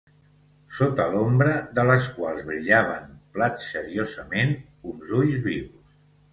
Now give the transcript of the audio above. sota l'ombra de les quals brillaven, platxeriosament, uns ulls vius